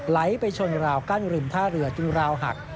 ไหลไปชนราวกั้นริมท่าเรือจนราวหัก